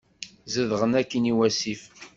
Zedɣen akkin i wasif.